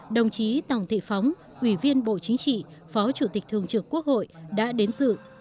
đồng chí tòng thị phóng ủy viên bộ chính trị phó chủ tịch thường trực quốc hội đã đến dự